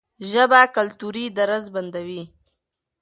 ژبه کلتوري درز بندوي.